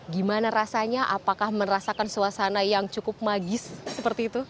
gimana rasanya apakah merasakan suasana yang cukup magis seperti itu